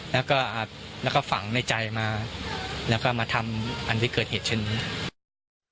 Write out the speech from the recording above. แล้วก็ฝังในใจมาแล้วก็มาทำอันที่เกิดเหตุเช่นนี้